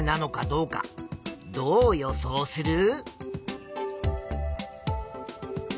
どう予想する？